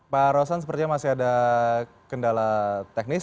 pak rosan sepertinya masih ada kendala teknis